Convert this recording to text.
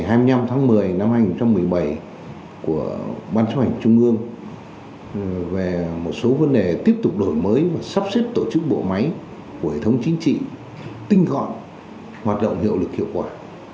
về việc đề cập xác định quyết xuất kỷ niệm của bản chức hành trung ương về một số vấn đề tiếp tục đổi mới sắp xếp tổ chức bộ máy của hệ thống chính trị tinh gọn hoạt động hiệu quả